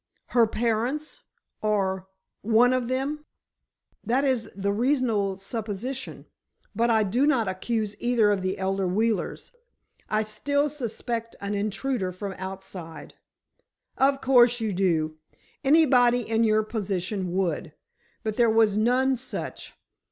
"Her parents—or, one of them?" "That is the reasonable supposition. But I do not accuse either of the elder Wheelers. I still suspect an intruder from outside." "Of course you do. ... Anybody in your position would. But there was none such.